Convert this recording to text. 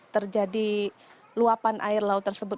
terjadi luapan air laut tersebut